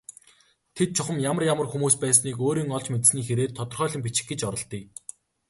Тэд чухам ямар ямар хүмүүс байсныг өөрийн олж мэдсэний хэрээр тодорхойлон бичих гэж оролдъё.